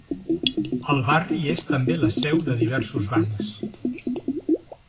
El barri és també la seu de diversos bancs.